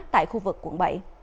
tại khu vực quận bảy